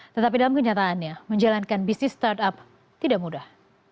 tetapi dalam kenyataannya menjalankan bisnis startup tidak mudah